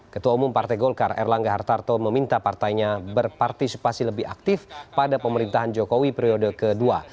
ketua umum partai golkar erlangga hartarto meminta partainya berpartisipasi lebih aktif pada pemerintahan jokowi periode kedua